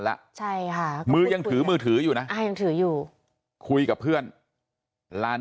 แล้วใช่ค่ะมือยังถือมือถืออยู่นะยังถืออยู่คุยกับเพื่อนลาน